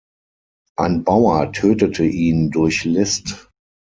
Ein Bauer tötete ihn durch List.